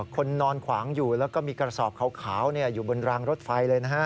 คนนอนขวางอยู่แล้วก็มีกระสอบขาวอยู่บนรางรถไฟเลยนะฮะ